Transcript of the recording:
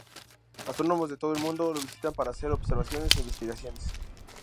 Astrónomos de todo el mundo lo visitan para hacer observaciones e investigaciones.